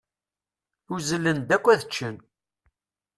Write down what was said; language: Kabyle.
Uzzlen-d akk ad ččen.